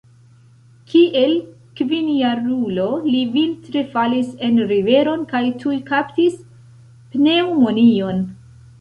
Kiel kvinjarulo li vintre falis en riveron kaj tuj kaptis pneŭmonion.